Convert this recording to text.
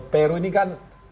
peru ini kan